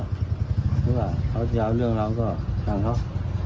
เพราะว่าเขาจะเอาเรื่องเราก็ฟังเขา